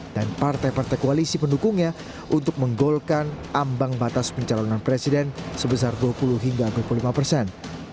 dan partai partai koalisi pendukungnya untuk menggolkan ambang batas pencalonan presiden sebesar dua puluh hingga dua puluh lima persen